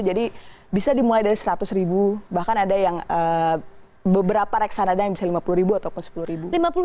jadi bisa dimulai dari seratus ribu bahkan ada yang beberapa reksadana yang bisa lima puluh ribu atau sepuluh ribu